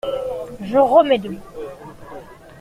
Je remets de l’eau.